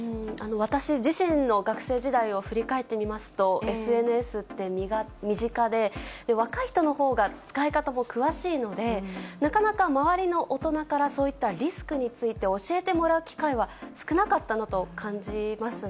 私自身の学生時代を振り返ってみますと、ＳＮＳって、身近で、若い人のほうが使い方も詳しいので、なかなか周りの大人からそういったリスクについて教えてもらう機会は少なかったなと感じますね。